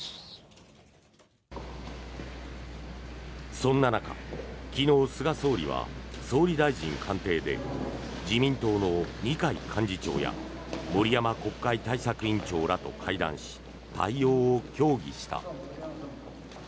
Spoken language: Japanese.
そんな中、昨日、菅総理は総理大臣官邸で自民党の二階幹事長や森山国会対策委員長らと会談し対応を協議した。